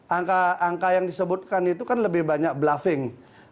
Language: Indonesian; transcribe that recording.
angka angka yang disebutkan itu kan lebih banyak bluffing